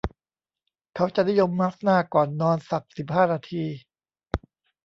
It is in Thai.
เขาจะนิยมมาสก์หน้าก่อนนอนสัก สิบห้า นาที